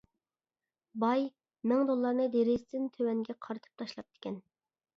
باي مىڭ دوللارنى دېرىزىسىدىن تۆۋەنگە قارىتىپ تاشلاپتىكەن.